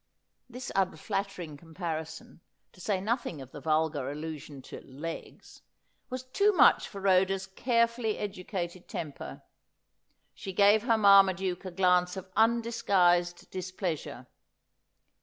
"This unflattering comparison, to say nothing of the vulgar allusion to ' legs,' was too much for Rhoda's carefully educated temper. She gave her Marmaduke a glance of undisguised dis pleasure.